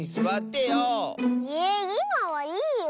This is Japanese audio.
いまはいいよ。